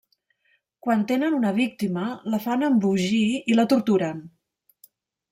Quan tenen una víctima la fan embogir i la torturen.